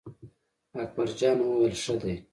اکبر جان وویل: ښه دی.